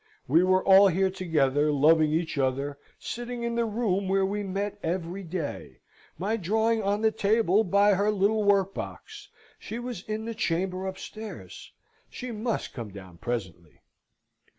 We were all here together; loving each other, sitting in the room where we met every day; my drawing on the table by her little workbox; she was in the chamber upstairs; she must come down presently.